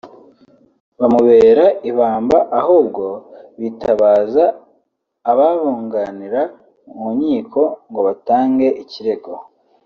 bamubera ibamba ahubwo bitabaza ababunganira mu nkiko ngo batange ikirego